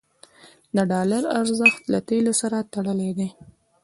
د ډالر ارزښت له تیلو سره تړلی دی.